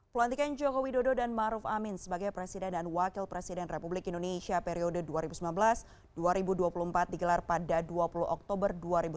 pelantikan joko widodo dan maruf amin sebagai presiden dan wakil presiden republik indonesia periode dua ribu sembilan belas dua ribu dua puluh empat digelar pada dua puluh oktober dua ribu sembilan belas